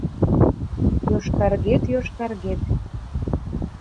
Йошкаргет-йошкаргет